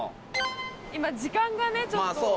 今時間がちょっと。